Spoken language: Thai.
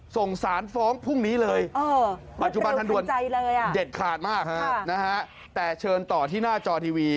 ส่งสารฟ้องพรุ่งนี้เลยปัจจุบันทันด่วนเด็ดขาดมากนะฮะแต่เชิญต่อที่หน้าจอทีวี